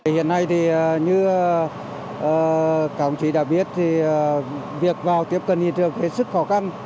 hiện nay như các ông chỉ đã biết việc vào tiếp cận hiện trường rất khó khăn